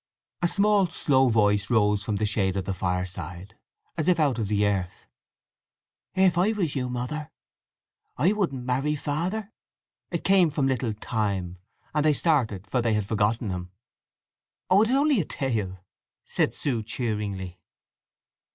A small slow voice rose from the shade of the fireside, as if out of the earth: "If I was you, Mother, I wouldn't marry Father!" It came from little Time, and they started, for they had forgotten him. "Oh, it is only a tale," said Sue cheeringly.